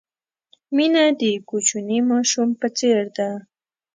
مینه د کوچني ماشوم په څېر ده.